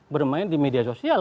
bermain di media sosial